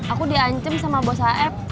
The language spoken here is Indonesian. aku diancam sama bos hf